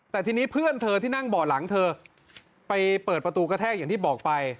แต่ทีนี้เพื่อนเธอที่นั่งเบาะหลังเธอไปเปิดประตูกระแทกอย่างที่บอกไป